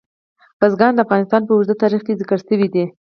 بزګان د افغانستان په اوږده تاریخ کې ذکر شوی دی.